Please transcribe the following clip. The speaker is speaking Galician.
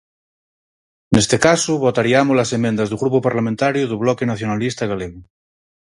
Neste caso votariamos as emendas do Grupo Parlamentario do Bloque Nacionalista Galego.